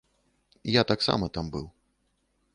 Я таксама там быў.